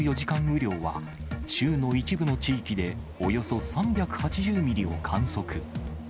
雨量は、州の一部の地域でおよそ３８０ミリを観測。